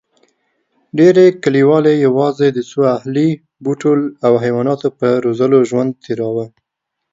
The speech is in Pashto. ډېرې کلیوې یواځې د څو اهلي بوټو او حیواناتو په روزلو ژوند تېراوه.